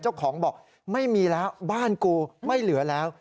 เจ้าของบอกไม่มีแล้วบ้านกูไม่เหลือแล้ว